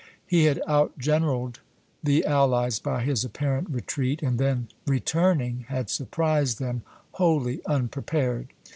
He had outgeneralled the allies by his apparent retreat, and then returning had surprised them wholly unprepared.